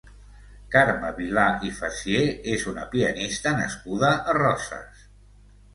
Carme Vilà i Fassier és una pianista nascuda a Roses.